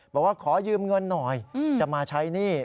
บอกว่าขอยืมเงินหน่อยจะมาใช้หนี้